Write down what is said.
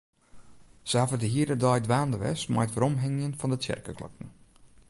Se hawwe de hiele dei dwaande west mei it weromhingjen fan de tsjerkeklokken.